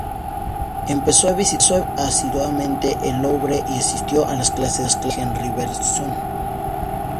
Empezó a visitar asiduamente el Louvre y asistió a las clases de Henri Bergson.